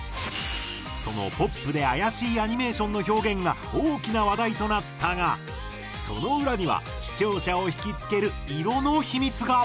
そのポップで怪しいアニメーションの表現が大きな話題となったがその裏には視聴者を引き付ける色の秘密が。